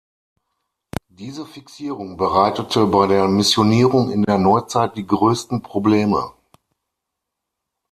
Diese Fixierung bereitete bei der Missionierung in der Neuzeit die größten Probleme.